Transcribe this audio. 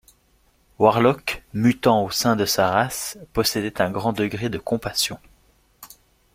Warlock, mutant au sein de sa race, possédait un grand degré de compassion.